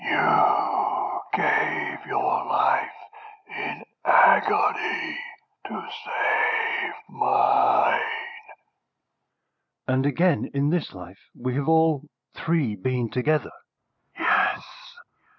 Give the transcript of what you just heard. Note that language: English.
"You gave your life in agony to save mine." "And again, in this life, we have all three been together?" "Yes.